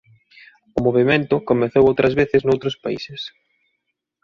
O movemento comezou outras veces noutros países.